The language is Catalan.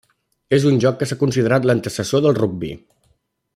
És un joc que s'ha considerat l'antecessor del rugbi.